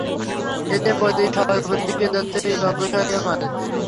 প্রকৃত স্বরূপের দিকে যতই অগ্রসর হবে, এই মায়াও তত দূরে যাবে।